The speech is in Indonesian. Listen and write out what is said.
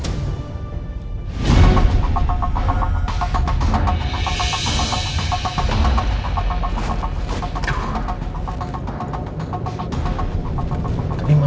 ini mama belok kemana ya